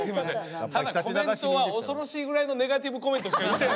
ただコメントは恐ろしいぐらいのネガティブコメントしか言うてない。